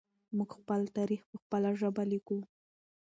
موږ خپل تاریخ په خپله ژبه لیکو.